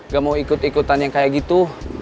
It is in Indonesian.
gak mau ikut ikutan yang kayak gitu